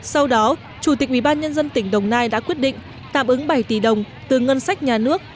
sau đó chủ tịch ubnd tỉnh đồng nai đã quyết định tạm ứng bảy tỷ đồng từ ngân sách nhà nước